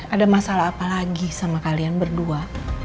ada masalah apa lagi sama kalian berdua